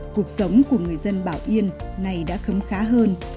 cuộc sống của người dân bảo yên này đã khấm khá hơn